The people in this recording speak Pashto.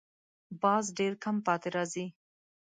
باز ډېر کم پاتې راځي